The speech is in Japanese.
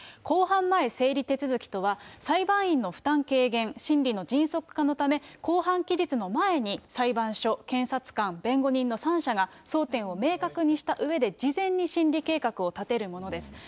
公判前整理手続きとは、裁判員の負担軽減、審理の迅速化のため、公判期日の前に裁判所、検察官、弁護人の３者が争点を明確にしたうえで、事前に審理計画を立てるものです。